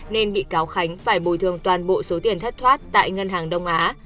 nên bị cáo khánh phải bồi thường toàn bộ số tiền thất thoát tại ngân hàng đông á